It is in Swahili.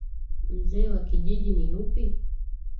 Mzee wa kijiji ni yupi?